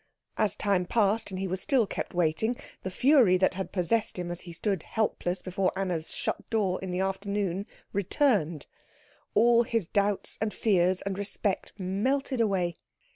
As time passed, and he still was kept waiting, the fury that had possessed him as he stood helpless before Anna's shut door in the afternoon, returned. All his doubts and fears and respect melted away.